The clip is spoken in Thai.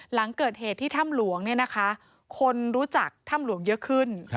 หลังเกิดเหตุที่ถ้ำหลวงคนรู้จักถ้ำหลวงเยอะขึ้น